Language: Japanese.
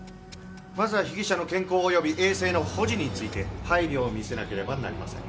まずは被疑者の健康及び衛生の保持について配慮を見せなければなりません。